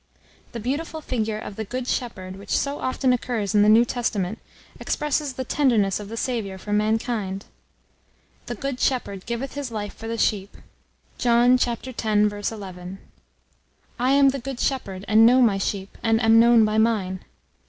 The beautiful figure of the "good shepherd," which so often occurs in the New Testament, expresses the tenderness of the Saviour for mankind. "The good shepherd giveth his life for the sheep." John, x. 11. "I am the good shepherd, and know my sheep, and am known by mine."